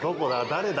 誰だ？